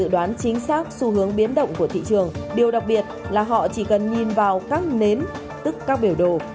điều đặc biệt là họ chỉ cần nhìn vào các nến tức các biểu đồ